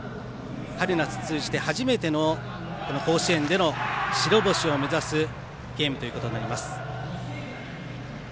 春夏通じて、初めての甲子園での白星を目指すゲームということになります。